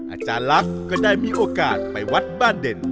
อาจารย์ลักษณ์ก็ได้มีโอกาสไปวัดบ้านเด่น